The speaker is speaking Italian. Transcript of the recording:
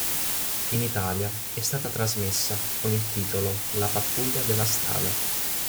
In Italia è stata trasmessa con il titolo "La pattuglia della strada".